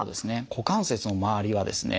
股関節の周りはですね